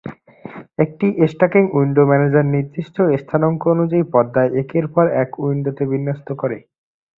একটি stacking window manager নির্দিষ্ট স্থানাংক অনুযায়ী পর্দায় একের পর এক উইন্ডোকে বিন্যস্ত করে।